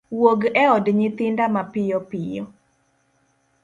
wuog e od nyithinda mapiyo piyo.